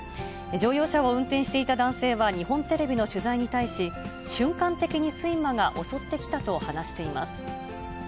乗用車を運転していた男性は、日本テレビの取材に対し、瞬間的に睡魔が襲ってきたと話しています。